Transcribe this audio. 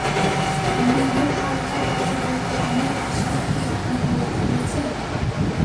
নীলু হালকা গলায় বলল, আমি আসায় কি আপনি বিরক্ত হয়েছেন?